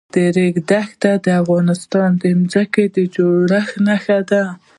د ریګ دښتې د افغانستان د ځمکې د جوړښت نښه ده.